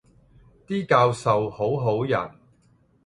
啲教授好好人